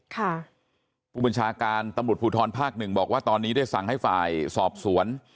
ผู้บัญชาการตำรวจภูทรภาคหนึ่งบอกว่าตอนนี้ได้สั่งให้ฝ่ายสอบสวน